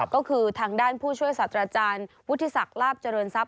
ก็คือทางด้านผู้ช่วยสัตว์อาจารย์วุฒิษักร์ลาบจรวนทรัพย์